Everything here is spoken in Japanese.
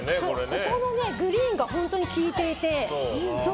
ここのグリーンが本当に効いていて。